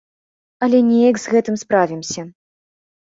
Але неяк з гэтым справімся.